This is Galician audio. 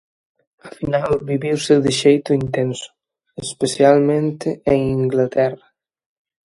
A final viviuse de xeito intenso, especialmente en Inglaterra.